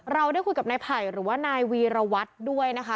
เราได้คุยกับนายไผ่หรือว่านายวีรวัตรด้วยนะคะ